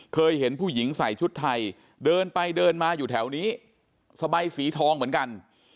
เคยเห็นผู้หญิงใส่ชุดไทยเดินไปเดินมาอยู่แถวนี้สบายสีทองเหมือนกัน